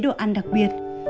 chế độ ăn đặc biệt